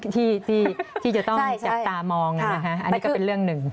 ที่จะต้องจับตามองอันนี้ก็เป็นเรื่องหนึ่ง